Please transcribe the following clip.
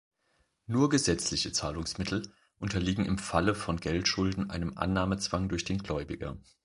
Nur gesetzliche Zahlungsmittel unterliegen im Falle von Geldschulden einem Annahmezwang durch den Gläubiger.